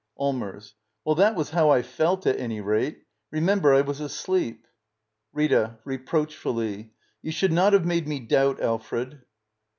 Allmers. Well, that was how I felt, at any rate. Remember, I was asleep — Rita. [Reproachfully,] You should not have made me doubt, Alfred.